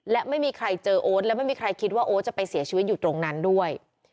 และไม่มีใครเจอโอ๊ตและไม่มีใครคิดว่าโอ๊ตจะไปเสียชีวิตอยู่ตรงนั้นด้วย